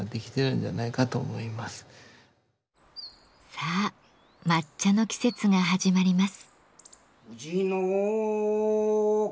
さあ抹茶の季節が始まります。